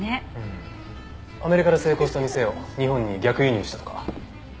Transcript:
アメリカで成功した店を日本に逆輸入したとか。